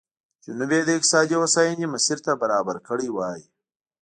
جنوب یې د اقتصادي هوساینې مسیر ته برابر کړی وای.